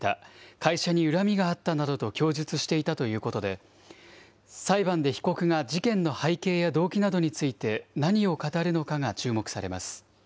会社に恨みがあったなどと供述していたということで、裁判で被告が事件の背景や動機などについて何を語るのかが注目されます。